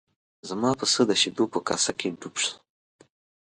زما پسه د شیدو په کاسه کې ډوب شو.